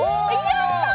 やった！